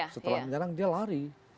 setelah menyerang dia lari